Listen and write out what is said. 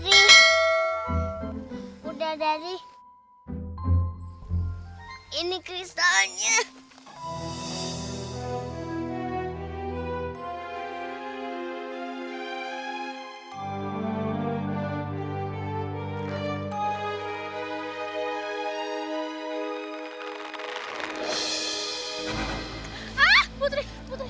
barusan bunda dari bisa selamatkan putri